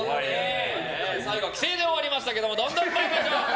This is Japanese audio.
最後は奇声で終わりましたがどんどん参りましょう。